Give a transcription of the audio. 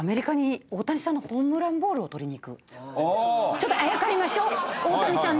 ちょっとあやかりましょう大谷さんに。